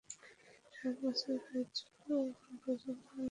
সাত বছর হতে চলল, এখন পর্যন্ত অনার্স শেষ করতে পারলাম না।